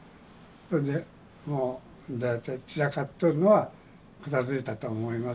これでもう大体散らかっとるのは片づいたと思います。